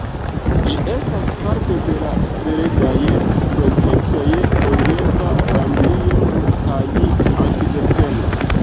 Ĝi estas parto de la belgaj provincoj Orienta Flandrio kaj Antverpeno.